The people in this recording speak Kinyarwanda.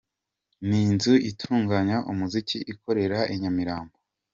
Ni inzu itunganya umuziki ikorera i Nyamirambo.